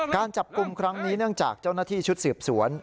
การจับกลุ่มครั้งนี้เนื่องจากเจ้าหน้าที่ชุดสืบสวน